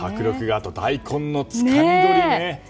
あと、大根のつかみ取りね。